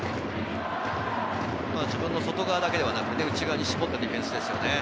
自分の外側だけではなく内側にも絞ったディフェンスですよね。